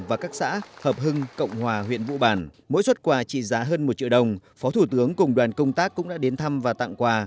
và các xã hợp hưng cộng hòa huyện vụ bản mỗi xuất quà trị giá hơn một triệu đồng phó thủ tướng cùng đoàn công tác cũng đã đến thăm và tặng quà